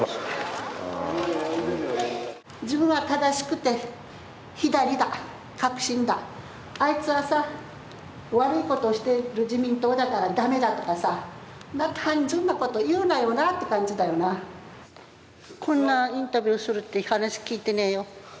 自分は正しくて、左だ、革新だ、あいつはさ悪いことしてる自民党だから駄目だとかさ、そんな単純なこと言うなよなっていう感じこんなインタビューするって話、聞いてねえよ。